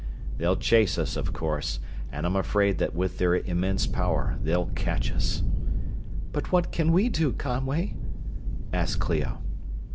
"They'll chase us, of course; and I'm afraid that with their immense power, they'll catch us." "But what can we do, Conway?" asked Clio.